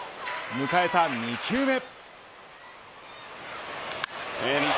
迎えた２球目。